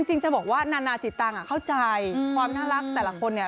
จริงจะบอกว่านานาจิตังเข้าใจความน่ารักแต่ละคนเนี่ย